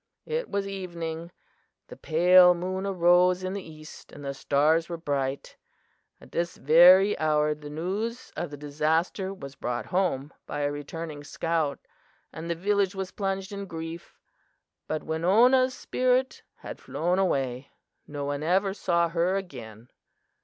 "It was evening. The pale moon arose in the east and the stars were bright. At this very hour the news of the disaster was brought home by a returning scout, and the village was plunged in grief, but Winona's spirit had flown away. No one ever saw her again.